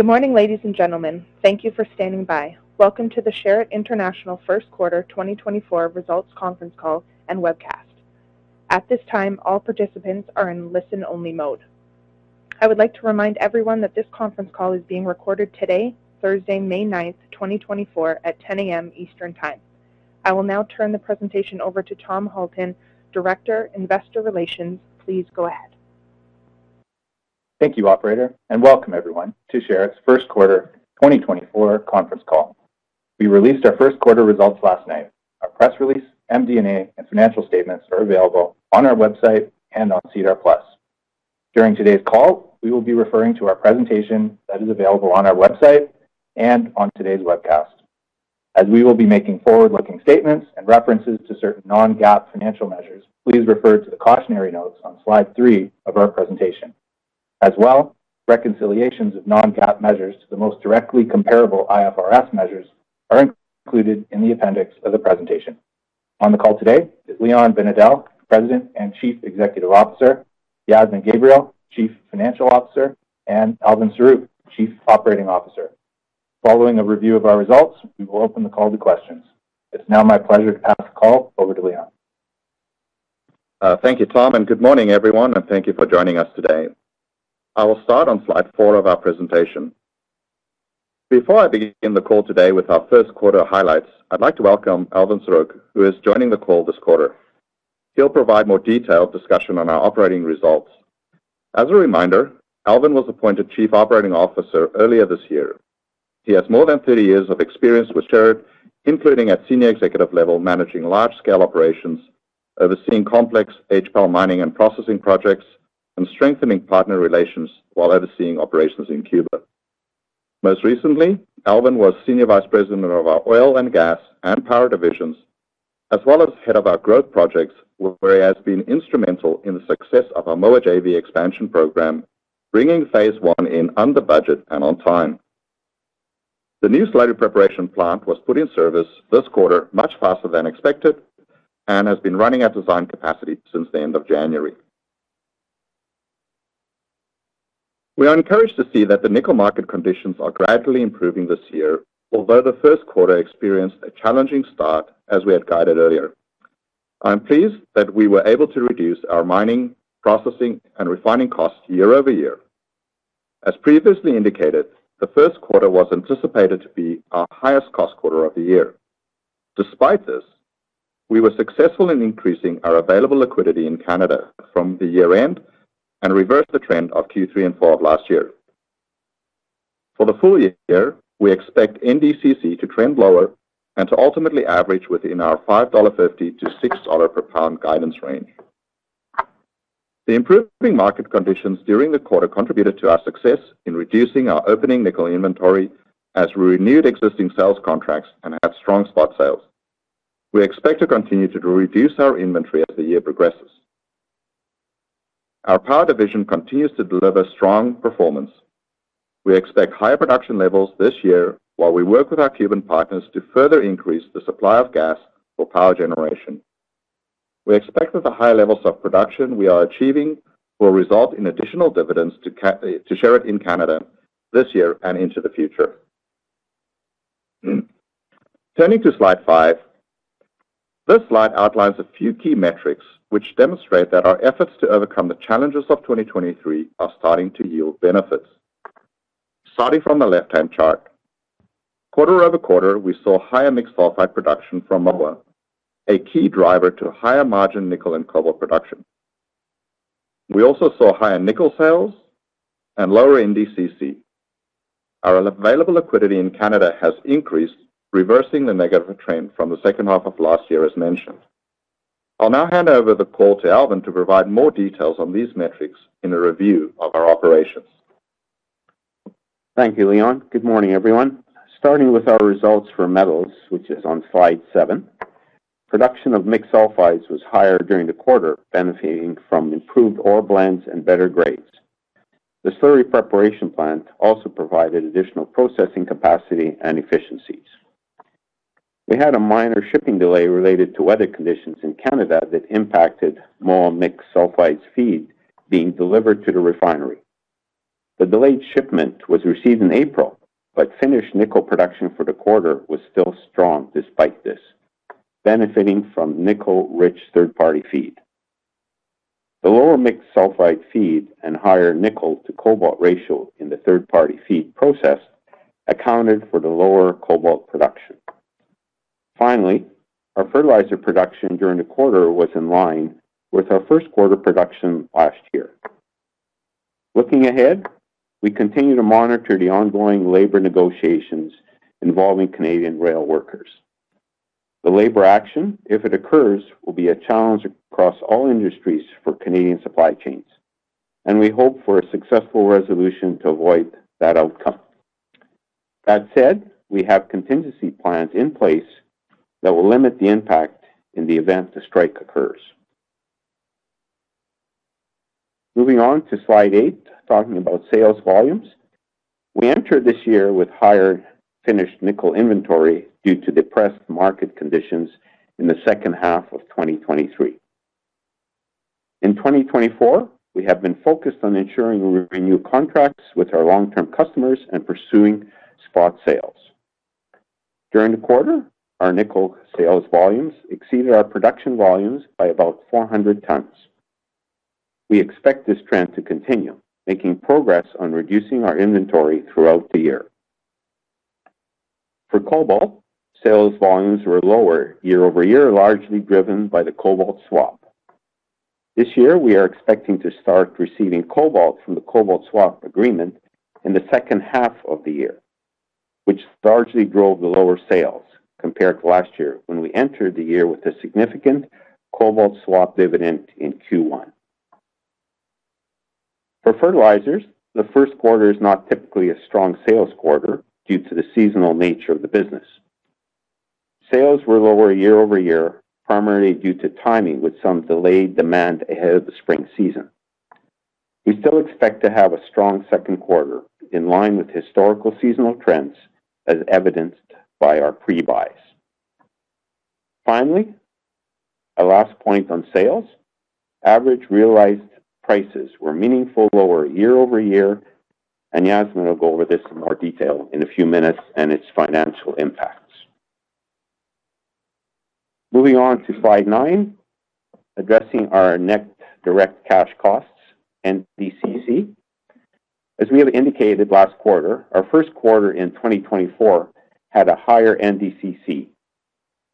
Good morning, ladies and gentlemen. Thank you for standing by. Welcome to the Sherritt International First Quarter 2024 Results Conference Call and webcast. At this time, all participants are in listen-only mode. I would like to remind everyone that this conference call is being recorded today, Thursday, May 9th, 2024, at 10:00 A.M. Eastern Time. I will now turn the presentation over to Tom Halton, Director, Investor Relations. Please go ahead. Thank you, Operator, and welcome, everyone, to Sherritt's First Quarter 2024 Conference Call. We released our First Quarter results last night. Our press release, MD&A, and financial statements are available on our website and on SEDAR+. During today's call, we will be referring to our presentation that is available on our website and on today's webcast. As we will be making forward-looking statements and references to certain non-GAAP financial measures, please refer to the cautionary notes on slide three of our presentation. As well, reconciliations of non-GAAP measures to the most directly comparable IFRS measures are included in the appendix of the presentation. On the call today is Leon Binedell, President and Chief Executive Officer, Yasmin Gabriel, Chief Financial Officer, and Elvin Saruk, Chief Operating Officer. Following a review of our results, we will open the call to questions. It's now my pleasure to pass the call over to Leon. Thank you, Tom, and good morning, everyone, and thank you for joining us today. I will start on slide 4 of our presentation. Before I begin the call today with our first quarter highlights, I'd like to welcome Elvin Saruk, who is joining the call this quarter. He'll provide more detailed discussion on our operating results. As a reminder, Alvin was appointed Chief Operating Officer earlier this year. He has more than 30 years of experience with Sherritt, including at senior executive level managing large-scale operations, overseeing complex HPAL mining and processing projects, and strengthening partner relations while overseeing operations in Cuba. Most recently, Alvin was Senior Vice President of our oil and gas and power divisions, as well as head of our growth projects, where he has been instrumental in the success of our Moa JV expansion program, bringing phase 1 in under budget and on time. The new Slurry Preparation Plant was put in service this quarter much faster than expected and has been running at design capacity since the end of January. We are encouraged to see that the nickel market conditions are gradually improving this year, although the first quarter experienced a challenging start as we had guided earlier. I'm pleased that we were able to reduce our mining, processing, and refining costs year-over-year. As previously indicated, the first quarter was anticipated to be our highest-cost quarter of the year. Despite this, we were successful in increasing our available liquidity in Canada from the year-end and reversed the trend of Q3 and 4 of last year. For the full year, we expect NDCC to trend lower and to ultimately average within our $5.50-$6 per pound guidance range. The improving market conditions during the quarter contributed to our success in reducing our opening nickel inventory as we renewed existing sales contracts and had strong spot sales. We expect to continue to reduce our inventory as the year progresses. Our power division continues to deliver strong performance. We expect higher production levels this year while we work with our Cuban partners to further increase the supply of gas for power generation. We expect that the high levels of production we are achieving will result in additional dividends to Sherritt in Canada this year and into the future. Turning to slide 5, this slide outlines a few key metrics which demonstrate that our efforts to overcome the challenges of 2023 are starting to yield benefits. Starting from the left-hand chart, quarter-over-quarter we saw higher mixed sulfide production from Moa, a key driver to higher margin nickel and cobalt production. We also saw higher nickel sales and lower NDCC. Our available liquidity in Canada has increased, reversing the negative trend from the second half of last year, as mentioned. I'll now hand over the call to Alvin to provide more details on these metrics in a review of our operations. Thank you, Leon. Good morning, everyone. Starting with our results for metals, which is on slide 7, production of mixed sulfides was higher during the quarter, benefiting from improved ore blends and better grades. The slurry preparation plant also provided additional processing capacity and efficiencies. We had a minor shipping delay related to weather conditions in Canada that impacted Moa mixed sulfides feed being delivered to the refinery. The delayed shipment was received in April, but finished nickel production for the quarter was still strong despite this, benefiting from nickel-rich third-party feed. The lower mixed sulfide feed and higher nickel-to-cobalt ratio in the third-party feed process accounted for the lower cobalt production. Finally, our fertilizer production during the quarter was in line with our first quarter production last year. Looking ahead, we continue to monitor the ongoing labor negotiations involving Canadian rail workers. The labor action, if it occurs, will be a challenge across all industries for Canadian supply chains, and we hope for a successful resolution to avoid that outcome. That said, we have contingency plans in place that will limit the impact in the event the strike occurs. Moving on to slide 8, talking about sales volumes, we entered this year with higher finished nickel inventory due to depressed market conditions in the second half of 2023. In 2024, we have been focused on ensuring we renew contracts with our long-term customers and pursuing spot sales. During the quarter, our nickel sales volumes exceeded our production volumes by about 400 tons. We expect this trend to continue, making progress on reducing our inventory throughout the year. For cobalt, sales volumes were lower year-over-year, largely driven by the cobalt swap. This year, we are expecting to start receiving cobalt from the cobalt swap agreement in the second half of the year, which largely drove the lower sales compared to last year when we entered the year with a significant cobalt swap dividend in Q1. For fertilizers, the first quarter is not typically a strong sales quarter due to the seasonal nature of the business. Sales were lower year-over-year, primarily due to timing with some delayed demand ahead of the spring season. We still expect to have a strong second quarter in line with historical seasonal trends, as evidenced by our prebuys. Finally, a last point on sales, average realized prices were meaningfully lower year-over-year, and Yasmin will go over this in more detail in a few minutes and its financial impacts. Moving on to slide 9, addressing our net direct cash costs, NDCC. As we had indicated last quarter, our first quarter in 2024 had a higher NDCC.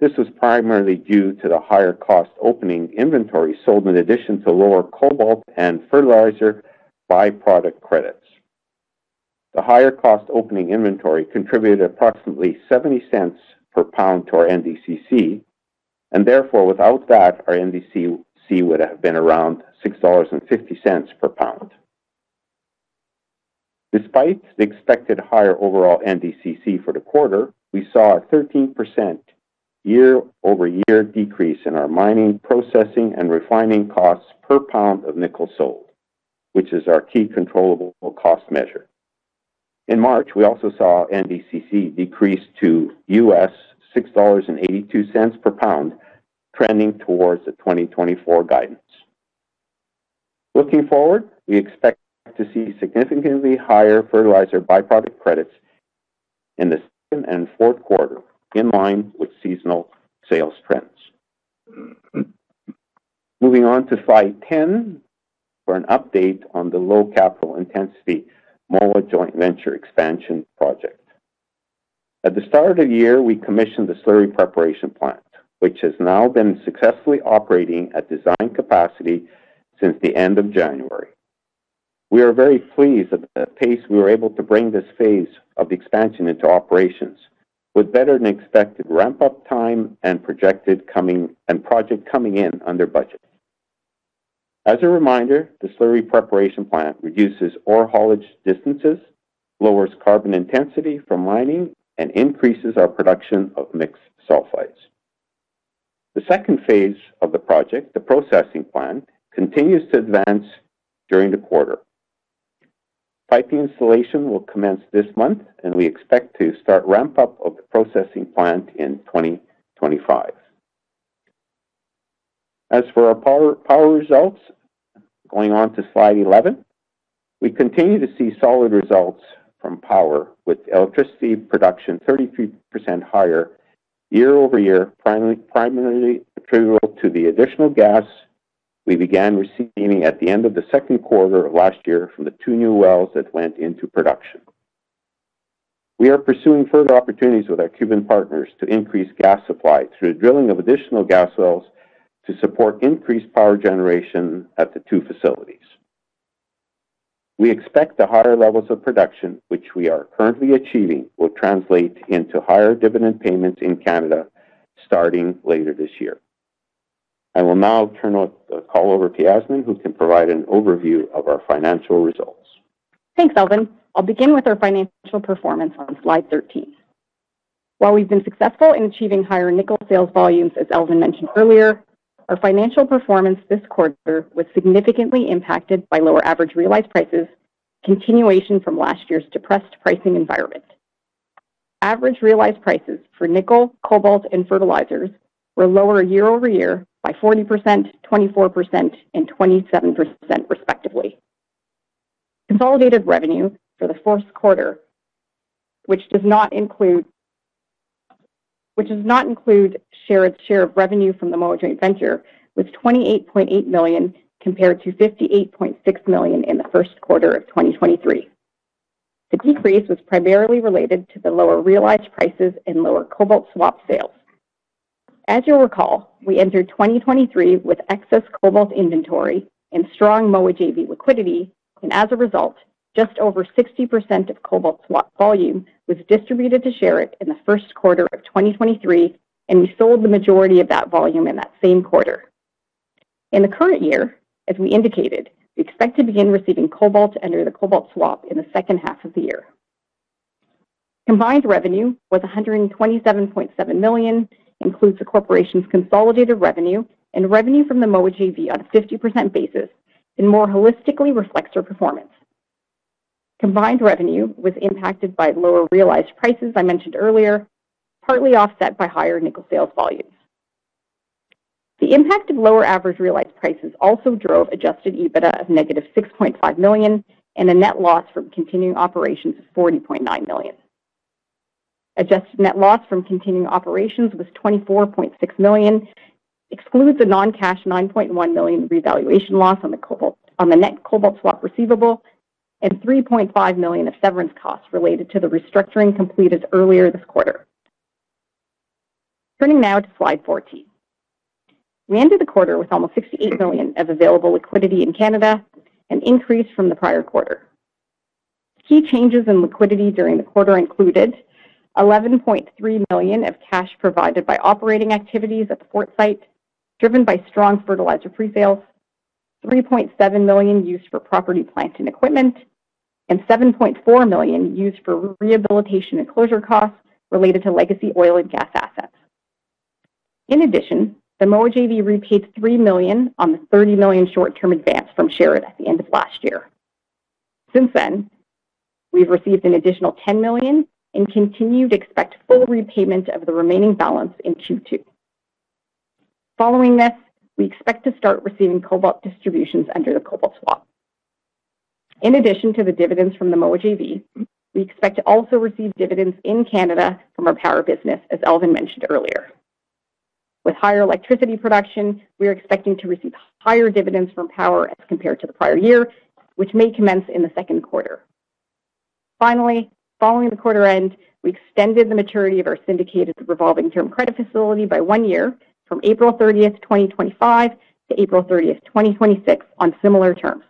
This was primarily due to the higher-cost opening inventory sold in addition to lower cobalt and fertilizer byproduct credits. The higher-cost opening inventory contributed approximately $0.70 per pound to our NDCC, and therefore, without that, our NDCC would have been around $6.50 per pound. Despite the expected higher overall NDCC for the quarter, we saw a 13% year-over-year decrease in our mining, processing, and refining costs per pound of nickel sold, which is our key controllable cost measure. In March, we also saw NDCC decrease to $6.82 per pound, trending towards the 2024 guidance. Looking forward, we expect to see significantly higher fertilizer byproduct credits in the second and fourth quarter, in line with seasonal sales trends. Moving on to slide 10 for an update on the low-capital-intensity Moa Joint Venture expansion project. At the start of the year, we commissioned the Slurry Preparation Plant, which has now been successfully operating at design capacity since the end of January. We are very pleased at the pace we were able to bring this phase of the expansion into operations, with better-than-expected ramp-up time and projected project coming in under budget. As a reminder, the Slurry Preparation Plant reduces ore haulage distances, lowers carbon intensity from mining, and increases our production of mixed sulfides. The second phase of the project, the processing plant, continues to advance during the quarter. Piping installation will commence this month, and we expect to start ramp-up of the processing plant in 2025. As for our power results, going on to slide 11, we continue to see solid results from power, with electricity production 33% higher year-over-year, primarily attributable to the additional gas we began receiving at the end of the second quarter of last year from the two new wells that went into production. We are pursuing further opportunities with our Cuban partners to increase gas supply through the drilling of additional gas wells to support increased power generation at the two facilities. We expect the higher levels of production, which we are currently achieving, will translate into higher dividend payments in Canada starting later this year. I will now turn the call over to Yasmin, who can provide an overview of our financial results. Thanks, Alvin. I'll begin with our financial performance on slide 13. While we've been successful in achieving higher nickel sales volumes, as Alvin mentioned earlier, our financial performance this quarter was significantly impacted by lower average realized prices and continuation from last year's depressed pricing environment. Average realized prices for nickel, cobalt, and fertilizers were lower year-over-year by 40%, 24%, and 27%, respectively. Consolidated revenue for the fourth quarter, which does not include Sherritt's share of revenue from the Moa joint venture, was 28.8 million compared to 58.6 million in the first quarter of 2023. The decrease was primarily related to the lower realized prices and lower cobalt swap sales. As you'll recall, we entered 2023 with excess cobalt inventory and strong Moa JV liquidity, and as a result, just over 60% of cobalt swap volume was distributed to Sherritt in the first quarter of 2023, and we sold the majority of that volume in that same quarter. In the current year, as we indicated, we expect to begin receiving cobalt under the Cobalt Swap in the second half of the year. Combined revenue was 127.7 million, includes the corporation's consolidated revenue and revenue from the Moa JV on a 50% basis, and more holistically reflects our performance. Combined revenue was impacted by lower realized prices I mentioned earlier, partly offset by higher nickel sales volumes. The impact of lower average realized prices also drove Adjusted EBITDA of -6.5 million and a net loss from continuing operations of 40.9 million. Adjusted net loss from continuing operations was 24.6 million, excludes a non-cash 9.1 million revaluation loss on the net Cobalt Swap receivable and 3.5 million of severance costs related to the restructuring completed earlier this quarter. Turning now to slide 14, we ended the quarter with almost 68 million of available liquidity in Canada, an increase from the prior quarter. Key changes in liquidity during the quarter included 11.3 million of cash provided by operating activities at the Fort Site, driven by strong fertilizer pre-sales, 3.7 million used for property, plant and equipment, and 7.4 million used for rehabilitation and closure costs related to legacy oil and gas assets. In addition, the Moa JV repaid 3 million on the 30 million short-term advance from Sherritt at the end of last year. Since then, we've received an additional 10 million and continue to expect full repayment of the remaining balance in Q2. Following this, we expect to start receiving cobalt distributions under the Cobalt Swap. In addition to the dividends from the Moa JV, we expect to also receive dividends in Canada from our power business, as Alvin mentioned earlier. With higher electricity production, we are expecting to receive higher dividends from power as compared to the prior year, which may commence in the second quarter. Finally, following the quarter end, we extended the maturity of our syndicated revolving-term credit facility by one year from April 30th, 2025, to April 30th, 2026, on similar terms.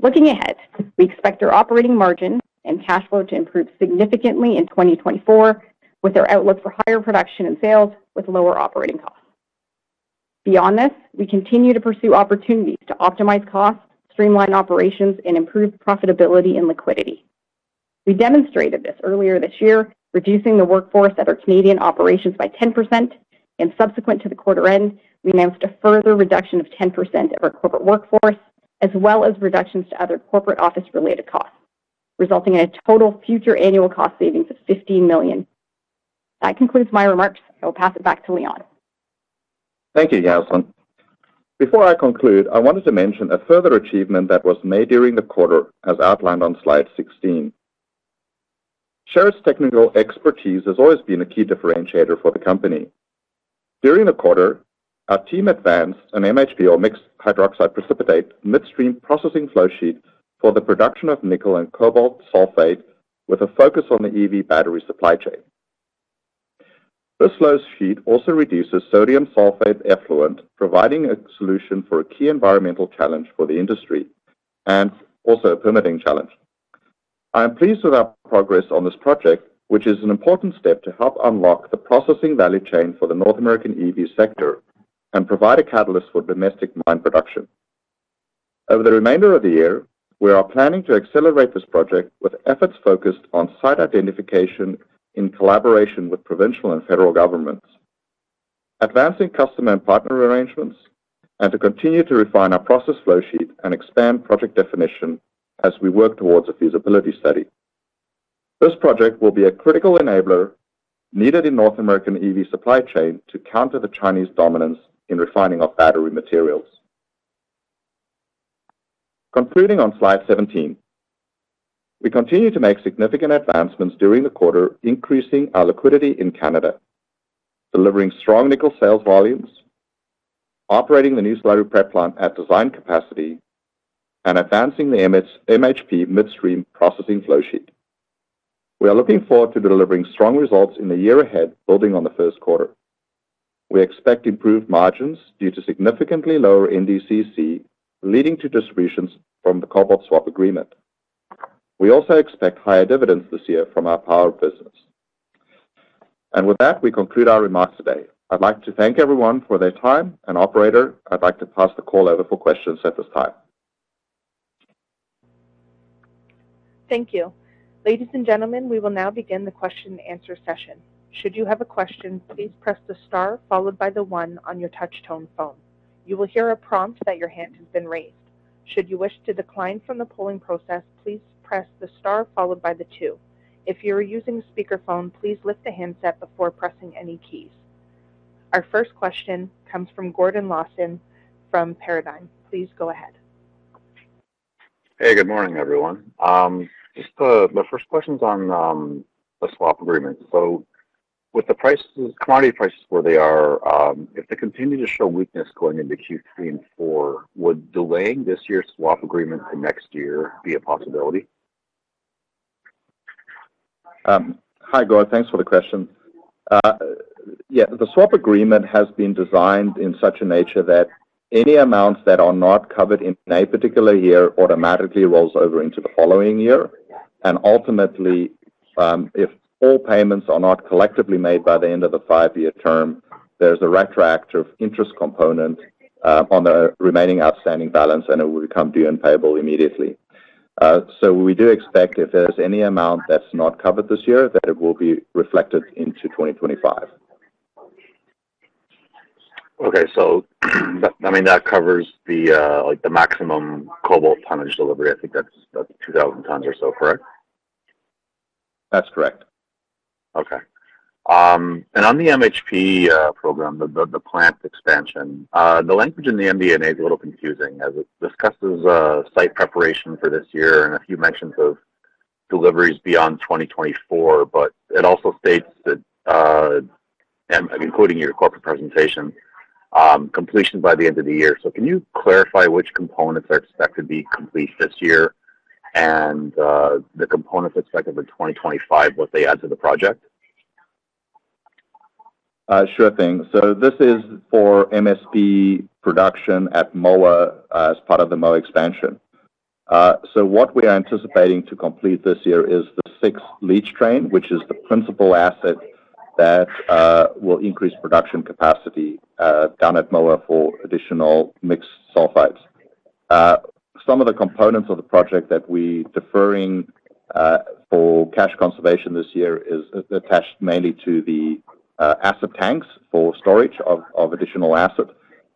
Looking ahead, we expect our operating margin and cash flow to improve significantly in 2024, with our outlook for higher production and sales with lower operating costs. Beyond this, we continue to pursue opportunities to optimize costs, streamline operations, and improve profitability and liquidity. We demonstrated this earlier this year, reducing the workforce at our Canadian operations by 10%, and subsequent to the quarter end, we announced a further reduction of 10% of our corporate workforce, as well as reductions to other corporate office-related costs, resulting in a total future annual cost savings of 15 million. That concludes my remarks. I will pass it back to Leon. Thank you, Yasmin. Before I conclude, I wanted to mention a further achievement that was made during the quarter, as outlined on slide 16. Sherritt's technical expertise has always been a key differentiator for the company. During the quarter, our team advanced an MHP mixed hydroxide precipitate midstream processing flow sheet for the production of nickel and cobalt sulfate, with a focus on the EV battery supply chain. This flow sheet also reduces sodium sulfate effluent, providing a solution for a key environmental challenge for the industry and also a permitting challenge. I am pleased with our progress on this project, which is an important step to help unlock the processing value chain for the North American EV sector and provide a catalyst for domestic mine production. Over the remainder of the year, we are planning to accelerate this project with efforts focused on site identification in collaboration with provincial and federal governments, advancing customer and partner arrangements, and to continue to refine our process flow sheet and expand project definition as we work towards a feasibility study. This project will be a critical enabler needed in North American EV supply chain to counter the Chinese dominance in refining of battery materials. Concluding on slide 17, we continue to make significant advancements during the quarter, increasing our liquidity in Canada, delivering strong nickel sales volumes, operating the new slurry prep plant at design capacity, and advancing the MHP midstream processing flow sheet. We are looking forward to delivering strong results in the year ahead, building on the first quarter. We expect improved margins due to significantly lower NDCC, leading to distributions from the cobalt swap agreement. We also expect higher dividends this year from our power business. With that, we conclude our remarks today. I'd like to thank everyone for their time, and operator, I'd like to pass the call over for questions at this time. Thank you. Ladies and gentlemen, we will now begin the question-and-answer session. Should you have a question, please press the star followed by the 1 on your touch-tone phone. You will hear a prompt that your hand has been raised. Should you wish to decline from the polling process, please press the star followed by the 2. If you are using a speakerphone, please lift the handset before pressing any keys. Our first question comes from Gordon Lawson from Paradigm. Please go ahead. Hey, good morning, everyone. My first question's on the swap agreement. So with the quantity prices where they are, if they continue to show weakness going into Q3 and Q4, would delaying this year's swap agreement to next year be a possibility? Hi, Gordon. Thanks for the question. Yeah, the swap agreement has been designed in such a nature that any amounts that are not covered in a particular year automatically roll over into the following year. And ultimately, if all payments are not collectively made by the end of the 5-year term, there's a retroactive interest component on the remaining outstanding balance, and it will become due and payable immediately. So we do expect if there's any amount that's not covered this year, that it will be reflected into 2025. Okay. So that covers the maximum cobalt tonnage delivery. I think that's 2,000 tons or so, correct? That's correct. Okay. And on the MHP program, the plant expansion, the language in the MD&A is a little confusing. It discusses site preparation for this year and a few mentions of deliveries beyond 2024, but it also states that, including your corporate presentation, completion by the end of the year. So can you clarify which components are expected to be complete this year and the components expected for 2025, what they add to the project? Sure thing. So this is for MSP production at Moa as part of the Moa expansion. So what we are anticipating to complete this year is the sixth leach train, which is the principal asset that will increase production capacity done at Moa for additional mixed sulfides. Some of the components of the project that we're deferring for cash conservation this year is attached mainly to the MSP tanks for storage of additional MSP,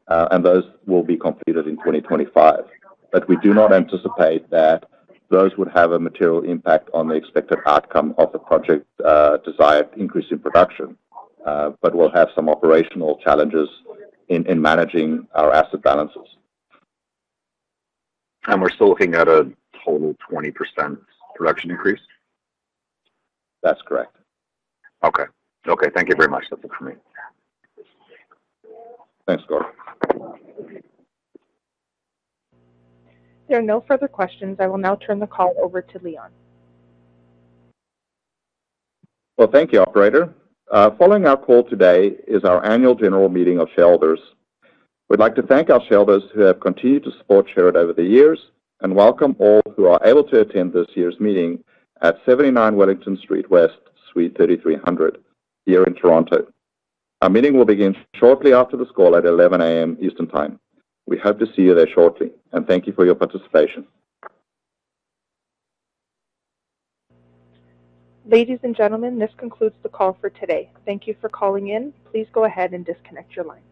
and those will be completed in 2025. But we do not anticipate that those would have a material impact on the expected outcome of the project-desired increase in production, but we'll have some operational challenges in managing our MSP balances. We're still looking at a total 20% production increase? That's correct. Okay. Okay. Thank you very much. That's it from me. Thanks, Gordon. There are no further questions. I will now turn the call over to Leon. Well, thank you, operator. Following our call today is our annual general meeting of shareholders. We'd like to thank our shareholders who have continued to support Sherritt over the years and welcome all who are able to attend this year's meeting at 79 Wellington Street West, Suite 3300, here in Toronto. Our meeting will begin shortly after this call at 11:00 A.M. Eastern Time. We hope to see you there shortly, and thank you for your participation. Ladies and gentlemen, this concludes the call for today. Thank you for calling in. Please go ahead and disconnect your line.